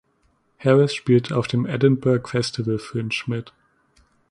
Harris spielte auf den Edinburgh Festival Fringe mit.